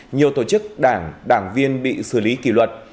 nhiều tổ chức đảng đảng viên bị xử lý kỷ luật